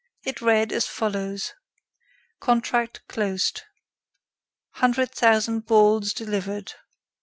It read as follows: "Contract closed. Hundred thousand balls delivered.